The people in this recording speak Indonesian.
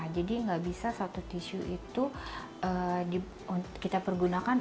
jadi enggak bisa satu tisu itu kita pergunakan